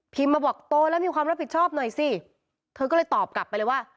มาบอกโตแล้วมีความรับผิดชอบหน่อยสิเธอก็เลยตอบกลับไปเลยว่า